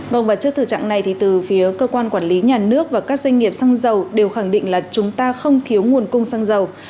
vâng và trước thử trạng này thì từ phía cơ quan quản lý nhà nước và các doanh nghiệp xăng dầu đều khẳng định là chúng ta không thiếu nguồn cung xăng dầu